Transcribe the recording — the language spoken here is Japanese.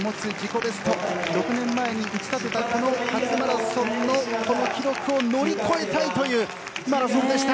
ベスト６年前に打ち立てたこの初マラソンのこの記録を乗り越えたいというマラソンでした。